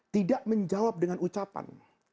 tidak menjawab dengan ucapan